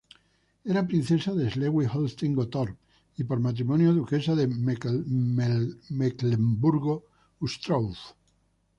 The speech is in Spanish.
Era princesa de Schleswig-Holstein-Gottorp y, por matrimonio, duquesa de Mecklemburgo-Güstrow.